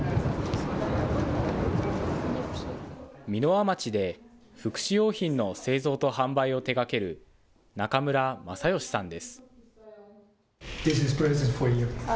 箕輪町で福祉用品の製造と販売を手がける中村正善さんです。